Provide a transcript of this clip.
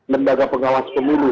lembaga pengawas pemilu